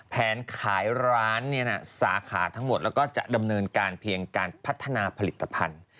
แผนขายร้านสาขาทั้งหมดแล้วก็จะดำเนินการเพียงการพัฒนาผลิตภัณฑ์